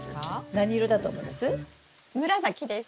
何色だと思います？